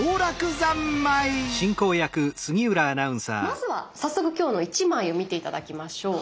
まずは早速今日の１枚を見て頂きましょう。